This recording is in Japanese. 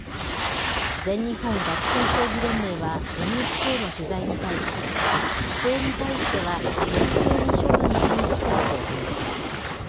全日本学生将棋連盟はＮＨＫの取材に対し、不正に対しては厳正に処分していきたいと話しています。